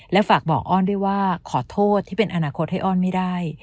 และฝากบอกอ้อนด้วยว่าขอโทษที่เป็นอนาคตให้อ้อนไม่ได้